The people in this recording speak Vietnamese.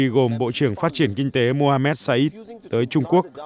cùng bộ trưởng phát triển kinh tế mohammed saeed tới trung quốc